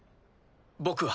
僕は。